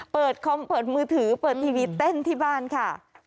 คอมเปิดมือถือเปิดทีวีเต้นที่บ้านค่ะ